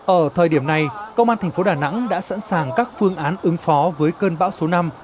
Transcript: ở thời điểm này công an thành phố đà nẵng đã sẵn sàng các phương án ứng phó với cơn bão số năm